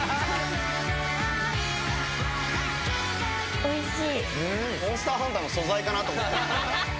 おいしい。